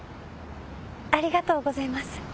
ありがとうございます。